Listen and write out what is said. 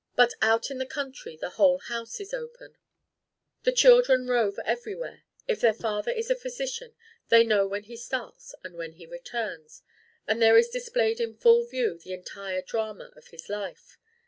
But out in the country the whole house is open; the children rove everywhere; if their father is a physician, they know when he starts and when he returns; and there is displayed in full view the entire drama of his life.